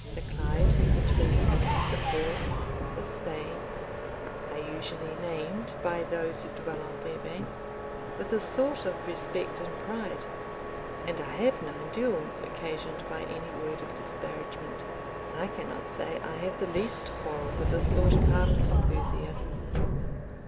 The Clyde, the Tweed, the Forth, the Spey, are usually named by those who dwell on their banks with a sort of respect and pride, and I have known duels occasioned by any word of disparagement. I cannot say I have the least quarrel with this sort of harmless enthusiasm.